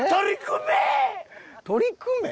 取り組め？